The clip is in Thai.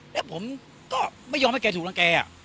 แล้วผมก็ไม่ยอมให้แกถูกรังแก